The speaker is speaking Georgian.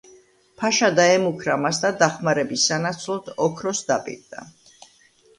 ფაშა დაემუქრა მას და დახმარების სანაცვლოდ ოქროს დაპირდა.